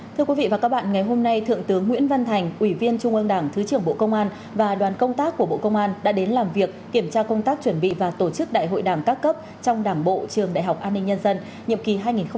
thưa quý vị và các bạn ngày hôm nay thượng tướng nguyễn văn thành ủy viên trung ương đảng thứ trưởng bộ công an và đoàn công tác của bộ công an đã đến làm việc kiểm tra công tác chuẩn bị và tổ chức đại hội đảng các cấp trong đảng bộ trường đại học an ninh nhân dân nhiệm kỳ hai nghìn hai mươi hai nghìn hai mươi năm